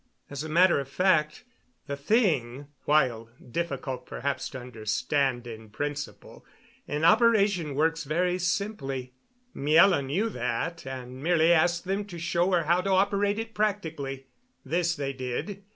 "As a matter of fact, the thing, while difficult perhaps to understand in principle, in operation works very simply. Miela knew that, and merely asked them to show her how to operate it practically. This they did.